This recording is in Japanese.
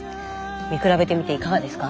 見比べてみていかがですか？